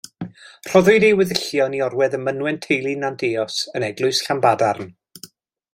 Rhoddwyd ei weddillion i orwedd yng mynwent teulu Nanteos yn Eglwys Llanbadarn.